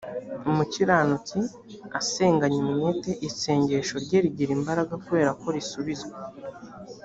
umukiranutsi asenganye umwete isengesho rye rigira imbaraga kubera ko risubizwa